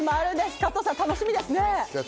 加藤さん、楽しみですね。